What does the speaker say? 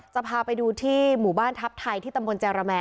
จะพาไปดูที่หมู่บ้านทัพไทยที่ตำบลแจรแม